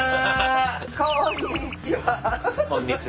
こんにちは。